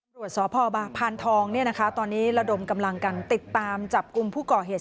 ตรวจสพพานทองตอนนี้ระดมกำลังกันติดตามจับกุมผู้เกาะเหตุ